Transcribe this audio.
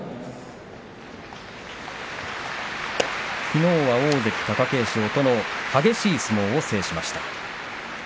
きのうは大関貴景勝との激しい相撲を制しました。